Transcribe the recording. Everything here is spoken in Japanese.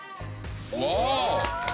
わあ！